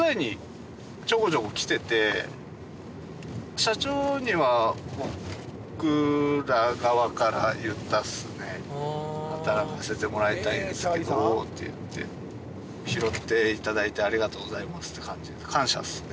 社長には僕ら側から言ったっすねんですけどって言って拾っていただいてありがとうございますって感じ感謝っすね